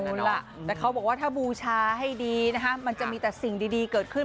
เอาล่ะแต่เขาบอกว่าถ้าบูชาให้ดีนะคะมันจะมีแต่สิ่งดีเกิดขึ้น